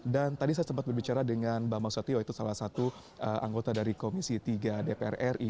dan tadi saya sempat berbicara dengan mbak mas satio itu salah satu anggota dari komisi tiga dpr ri